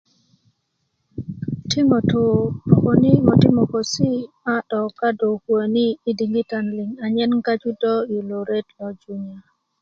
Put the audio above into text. ti ŋutú rokoni ŋo ti mokosi a 'dok dó kuwäni i 'diŋitan kune liŋ a nyen gaju dó i lo ret lo junya